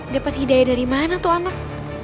dapat hidayah dari mana tuh anak